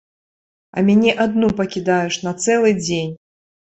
А мяне адну пакідаеш на цэлы дзень.